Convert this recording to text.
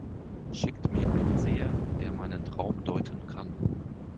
Schickt mir einen Seher, der meinen Traum deuten kann!